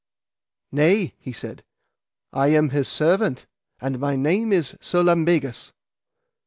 Nay, he said, I am his servant, and my name is Sir Lambegus.